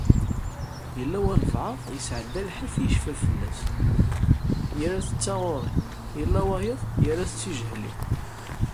Yella walbeεd, yesεedda lḥif yecfa fell-as, yerra-t d taɣuri, yella wayeḍ, yerra-t d tijehli.